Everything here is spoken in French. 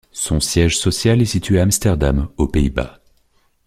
Son siège social est situé à Amsterdam aux Pays-Bas.